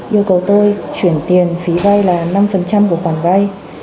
yêu cầu tôi chuyển tiền phí vay là năm của khoản vay